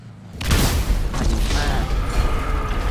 ถนิมมาศ